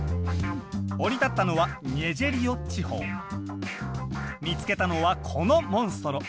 降り立ったのは見つけたのはこのモンストロ。